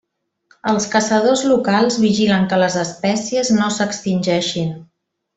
Els caçadors locals vigilen que les espècies no s'extingeixin.